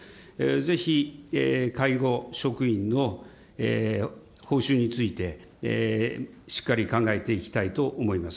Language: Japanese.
ぜひ介護職員の報酬について、しっかり考えていきたいと思います。